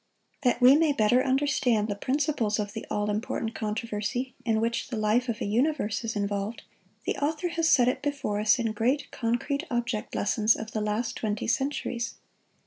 That we may better understand the principles of the all important controversy, in which the life of a universe is involved, the author has set it before us in great, concrete object lessons of the last twenty centuries.